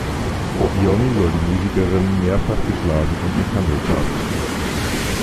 Iommi soll die Musikerin mehrfach geschlagen und misshandelt haben.